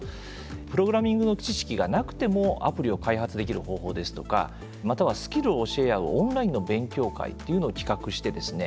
プログラミングの知識がなくてもアプリを開発できる方法ですとかまたはスキルを教え合うオンラインの勉強会というのを企画してですね